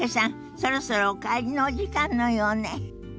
そろそろお帰りのお時間のようね。